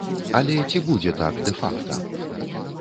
Але ці будзе так дэ-факта?